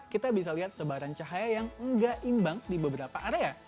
kita bisa lihat sebaran cahaya yang nggak imbang di beberapa area